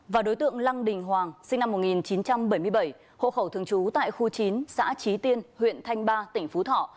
và đối tượng lăng đình hoàng sinh năm một nghìn chín trăm bảy mươi bảy hộ khẩu thường trú tại khu chín xã trí tiên huyện thanh ba tỉnh phú thọ